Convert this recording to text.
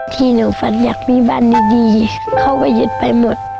ที่หนูฝันอยากมีบ้านดีเขาก็หยุดไปหมด